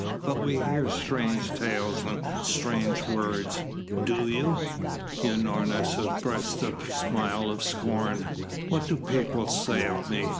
But we hear strange tales and strange words." "Do you?" Unorna suppressed a smile of scorn. "What do people say of me?